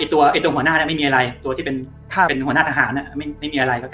ตัวหัวหน้าไม่มีอะไรตัวที่เป็นหัวหน้าทหารไม่มีอะไรครับ